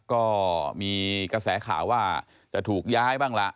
ก็มีกระแสข่าวว่าจะถูกย้ายบ้างล่ะ